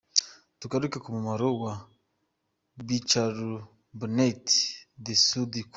Tugaruke ku mumaro wa bicarbonate de soude ku